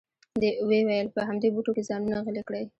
وې ویل په همدې بوټو کې ځانونه غلي کړئ.